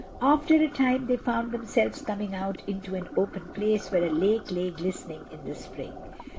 After a time they found themselves coming out into an open place where a lake lay glistening in the spring.